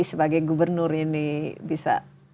sebagai gubernur ini bisa